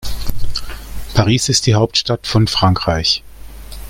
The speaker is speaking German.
Paris ist die Hauptstadt von Frankreich.